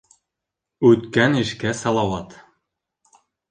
Үткән эшкә салауат.